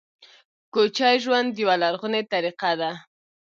کوچي ژوند یوه لرغونې طریقه ده